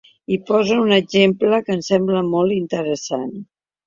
I posa un exemple que em sembla molt interessant.